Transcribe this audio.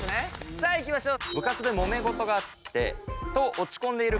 さあいきましょう。